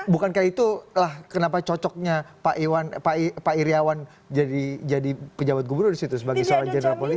bukan kayak itulah kenapa cocoknya pak iwan pak iryawan jadi pejabat gubernur disitu sebagai seorang general polisi